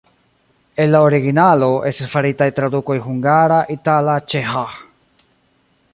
El la originalo estis faritaj tradukoj hungara, itala, ĉeĥa.